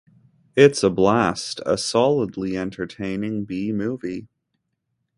It's a blast... a solidly entertaining B-movie.